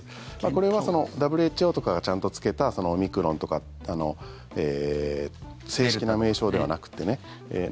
これはＷＨＯとかがちゃんとつけたオミクロンとかの正式な名称ではなくてね